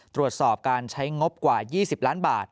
ตรวจสอบการใช้งบกว่า๒๐ล้านบาท